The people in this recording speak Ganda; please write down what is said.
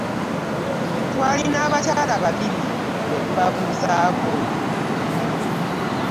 Twalina abakyala babiri ne tubabuzaako.